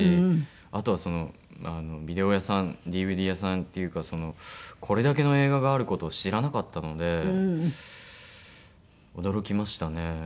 あとはビデオ屋さんＤＶＤ屋さんっていうかこれだけの映画がある事を知らなかったので驚きましたね。